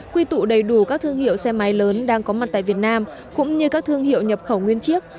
quy tụ đầy đủ các thương hiệu xe máy lớn đang có mặt tại việt nam cũng như các thương hiệu nhập khẩu nguyên chiếc